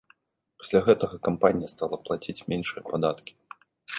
Пасля гэтага кампанія стала плаціць меншыя падаткі.